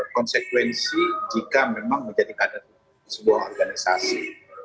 konsekuensi jika memang menjadi kader sebuah organisasi